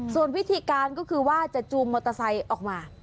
ส่วนวิธีการก็คือว่าจะจูงมอเตอร์ไซค์ออกมา